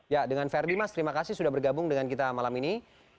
ya dengan ferdi mas terima kasih sudah bergabung dengan kita malam ini